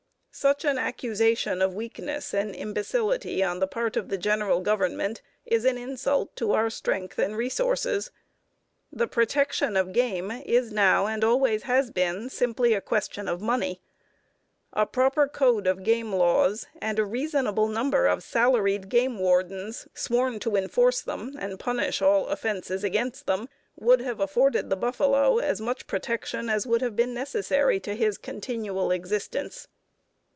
Such an accusation of weakness and imbecility on the part of the General Government is an insult to our strength and resources. The protection of game is now and always has been simply a question of money. A proper code of game laws and a reasonable number of salaried game wardens, sworn to enforce them and punish all offenses against them, would have afforded the buffalo as much protection as would have been necessary to his continual existence.